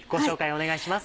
お願いします。